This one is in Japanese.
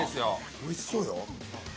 おいしそうよ。